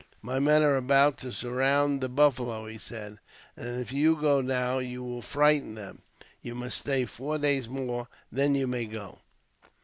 "My men are about to surround the buffalo," he said; "if you go now, you will frighten them. You must stay four days more, then you may go."